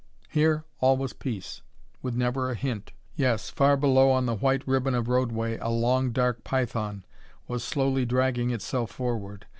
Here all was peace, with never a hint yes, far below on the white ribbon of roadway a long, dark python was slowly dragging itself forward.